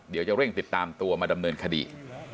เดี๋ยวจะเร่งติดตามตัวมาดำเนินคดี